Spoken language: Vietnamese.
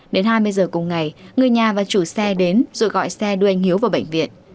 đến hai mươi giờ cùng ngày người nhà và chủ xe đến rồi gọi xe đưa anh hiếu vào bệnh viện